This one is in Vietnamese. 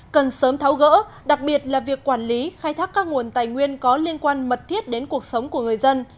cần sớm tháo gỡ đặc biệt là việc quản lý khai thác các nguồn tài nguyên có liên quan mật thiết đến cuộc sống của người dân